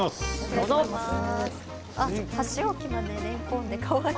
箸置きまでれんこんかわいい。